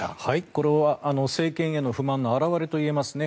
これは政権への不満の表れといえますね。